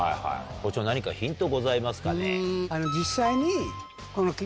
校長何かヒントございますかね？